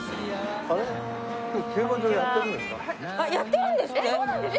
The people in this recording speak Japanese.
やってるんですって。